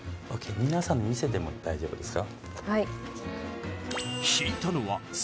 みなさんに見せて大丈夫ですか？